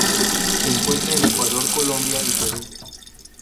Se encuentra en Ecuador Colombia y Perú.